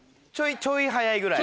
ちょい速いぐらい？